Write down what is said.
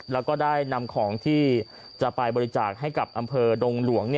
แล้วก็ได้นำของที่จะไปบริจาคให้กับอำเภอดงหลวง